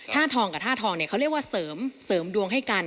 ทองกับท่าทองเนี่ยเขาเรียกว่าเสริมดวงให้กัน